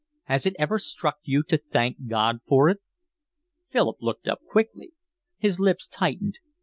Has it ever struck you to thank God for it?" Philip looked up quickly. His lips tightened.